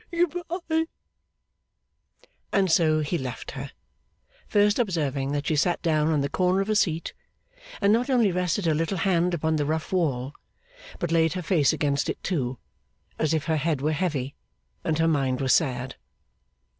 Good bye!' And so he left her: first observing that she sat down on the corner of a seat, and not only rested her little hand upon the rough wall, but laid her face against it too, as if her head were heavy, and her mind were sad.